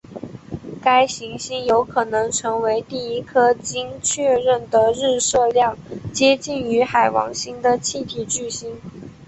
该行星有可能成为第一颗经确认的日射量接近于海王星的气体巨星。